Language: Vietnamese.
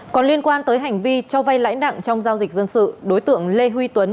còn liên quan tới hành vi cho vay lãi nặng trong giao dịch dân sự đối tượng lê huy tuấn